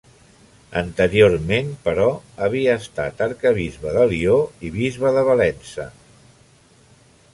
Anteriorment, però, havia estat arquebisbe de Lió i bisbe de Valença.